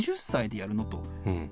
２０歳でやるの？と。